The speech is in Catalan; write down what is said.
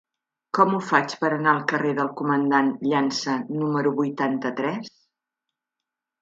Com ho faig per anar al carrer del Comandant Llança número vuitanta-tres?